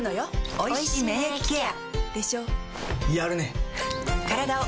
おいしい免疫ケア